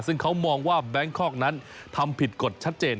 ซึ่งเขามองว่าแบงคอกนั้นทำผิดกฎชัดเจน